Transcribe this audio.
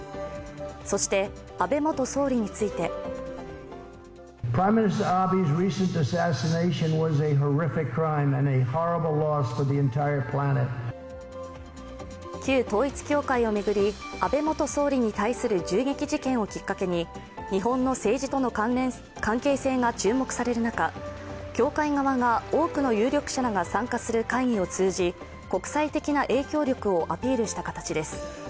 そして安倍元総理について旧統一教会を巡り安倍元総理に対する銃撃事件をきっかけに日本の政治との関係性が注目される中、教会側が多くの有力者らが参加する会議を通じ国際的な影響力をアピールした形です。